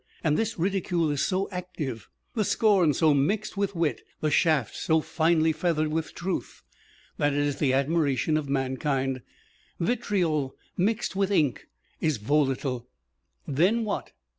And this ridicule is so active, the scorn so mixed with wit, the shafts so finely feathered with truth, that it is the admiration of mankind. Vitriol mixed with ink is volatile. Then what?